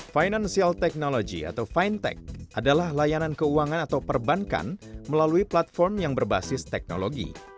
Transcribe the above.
financial technology atau fintech adalah layanan keuangan atau perbankan melalui platform yang berbasis teknologi